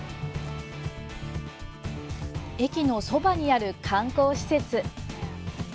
駅のそばにある観光施設。